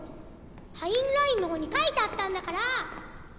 ハインラインの本に書いてあったんだから！